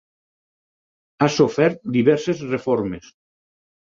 Ha sofert diverses reformes.